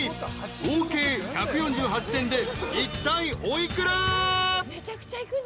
［合計１４８点でいったいお幾ら？］